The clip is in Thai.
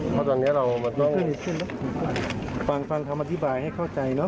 เพราะตอนนี้เราต้องฟังคำอธิบายให้เข้าใจเนอ